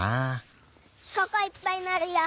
ここいっぱいなるよ。